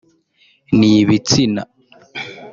n’ibitsina